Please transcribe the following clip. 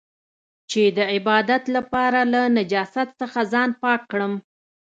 چې د عبادت لپاره له نجاست څخه ځان پاک کړم.